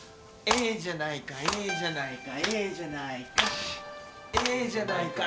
「ええじゃないかええじゃないかええじゃないか」